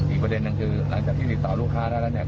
อีกประเด็นนึงคือหลังจากที่ติดต่อลูกค้าได้แล้วเนี่ย